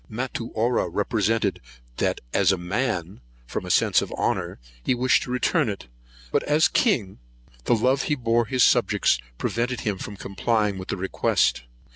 Matuara represented, that as a man, from a sense of honour, he wished to return it; but that as a king, the love he bore his subjects prevented him complying with the request.